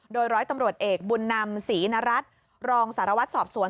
โดยร้อยตำรวจเอกบุญนำศรีนรัฐรองสารวัตรสอบสวน